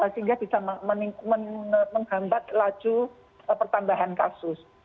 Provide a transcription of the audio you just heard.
sehingga bisa menghambat laju pertambahan kasus